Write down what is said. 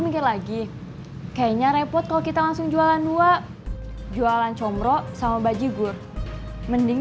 mikir lagi kayaknya repot kalau kita langsung jualan dua jualan comro sama bajigur mending